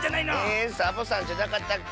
えサボさんじゃなかったっけ？